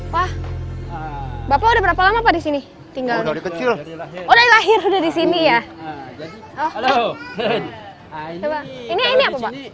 pak bapak udah berapa lama pak di sini tinggal di kecil udah lahir udah di sini ya